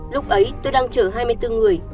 lúc ấy tôi đang chở hai mươi bốn người